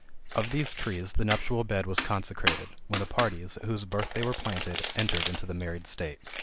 Of these trees the nuptial bed was constructed, when the parties, at whose birth they were planted, entered into the married state.